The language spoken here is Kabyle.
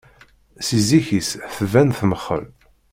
Si zik-is tban temxel.